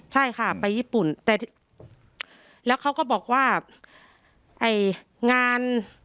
ใช่ค่ะไปญี่ปุ่นแต่แล้วเขาก็บอกว่าไอ้งาน